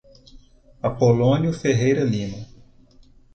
Apolonio Ferreira Lima